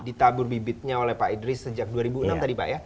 ditabur bibitnya oleh pak idris sejak dua ribu enam tadi pak ya